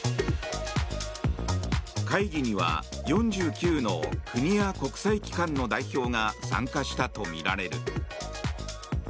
会議には４９の国や国際機関の代表が参加したとみられる。